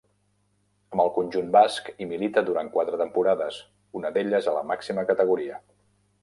Amb el conjunt basc hi milita durant quatre temporades, una d'elles a la màxima categoria.